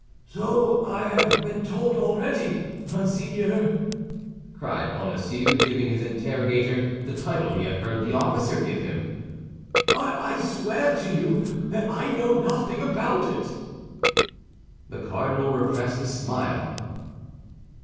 "So I have been told already, monseigneur," cried Bonacieux, giving his interrogator the title he had heard the officer give him, "but I swear to you that I know nothing about it." The cardinal repressed a smile.